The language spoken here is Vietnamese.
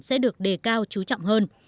sẽ được đề cao chú trọng hơn